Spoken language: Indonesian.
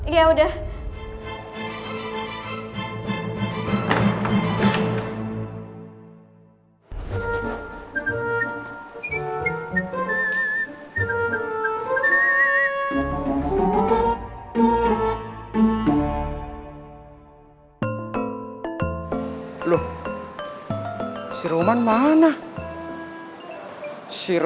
gue ada ulangan makasih